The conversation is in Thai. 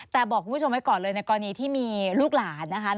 แต่บอกคุณผู้ชมไว้ก่อนเลยในกรณีที่มีลูกหลานนะคะ